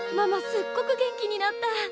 すっごく元気になった！